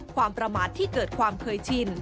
ความประมาทที่เกิดความเคยชิน